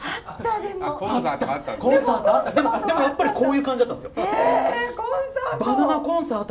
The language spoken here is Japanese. でもやっぱりこういう感じだったんですよ。えコンサート。